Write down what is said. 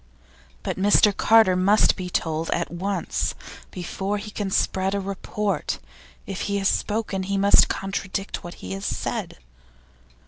But Mr Carter must be told at once, before he can spread a report. If he has spoken, he must contradict what he has said.